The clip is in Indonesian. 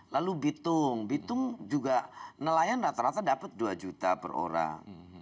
lalu bitung bitung juga nelayan rata rata dapat dua juta per orang